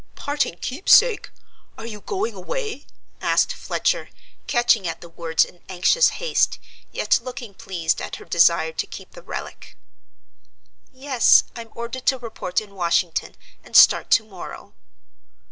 "Parting keepsake! are you going away?" asked Fletcher, catching at the words in anxious haste, yet looking pleased at her desire to keep the relic. "Yes, I'm ordered to report in Washington, and start to morrow."